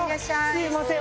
すみません